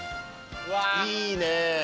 いいね。